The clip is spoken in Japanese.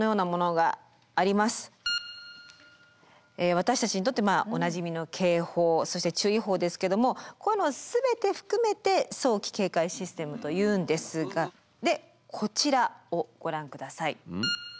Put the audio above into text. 私たちにとっておなじみの警報そして注意報ですけどもこういうのを全て含めて早期警戒システムというんですがこちらをご覧ください。